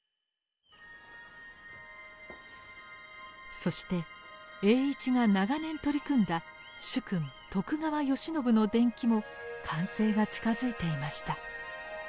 そして栄一が長年取り組んだ主君徳川慶喜の伝記も完成が近づいていました。